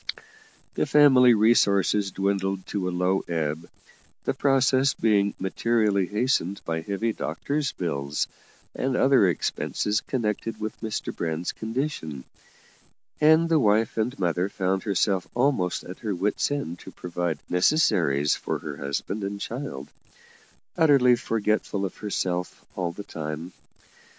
The family resources dwindled to a low ebb, the process being materially hastened by heavy doctors' bills and other expenses connected with Mr Brand's condition, and the wife and mother found herself almost at her wit's end to provide necessaries for her husband and child, utterly forgetful of herself all the time.